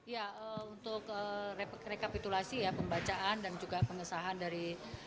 ya untuk rekapitulasi ya pembacaan dan juga pengesahan dari satu ratus tiga puluh